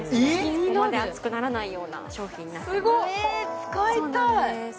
そこまで熱くならないような商品になってます